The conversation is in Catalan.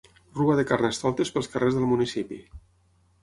Rua de Carnestoltes pels carrers del municipi.